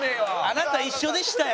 あなた一緒でしたやん。